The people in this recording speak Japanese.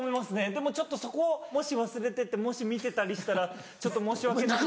でもちょっとそこもし忘れててもし見てたりしたらちょっと申し訳ない。